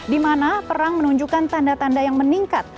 di mana perang menunjukkan tanda tanda yang meningkat